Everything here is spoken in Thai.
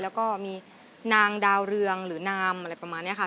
แล้วก็มีนางดาวเรืองหรือนามอะไรประมาณนี้ค่ะ